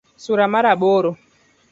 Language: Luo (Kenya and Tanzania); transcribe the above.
Sura mar aboro